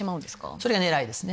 それが狙いですね